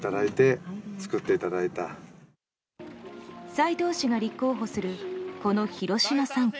斉藤氏が立候補するこの広島３区。